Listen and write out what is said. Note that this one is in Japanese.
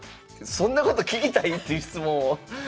そんなこと聞きたい？っていう質問を。